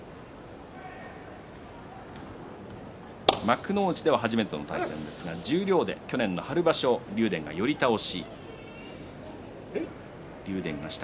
幕内では初めての対戦ですが十両では去年の春場所では竜電が寄り倒し。